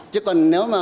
chứ còn nếu mà